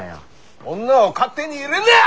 女を勝手に入れんな！